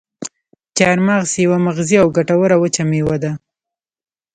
چارمغز یوه مغذي او ګټوره وچه میوه ده.